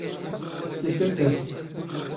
ⵜⵉⴽⵔⴽⴰⵙ.